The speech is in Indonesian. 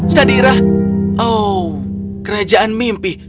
sadira oh kerajaan mimpi